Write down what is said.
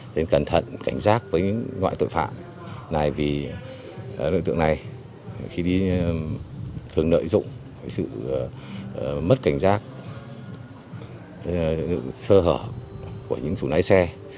nên cẩn thận cảnh giác với loại tội phạm này vì đối tượng này khi đi thường lợi dụng sự mất cảnh giác sơ hở của những chủ lái xe